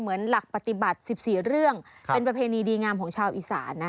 เหมือนหลักปฏิบัติ๑๔เรื่องเป็นประเพณีดีงามของชาวอีสานนะ